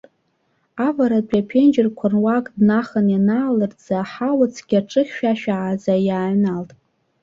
Аваратәи аԥенџьырқәа руак днахан ианаалыртӡа, аҳауа-цқьа ҿыхьшәашәааӡа иааҩналт.